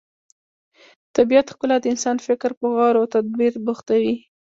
د طبیعت ښکلا د انسان فکر په غور او تدبر بوختوي.